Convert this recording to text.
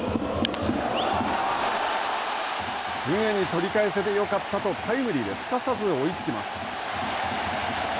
すぐに取り返せてよかったとタイムリーですかさず追いつきます。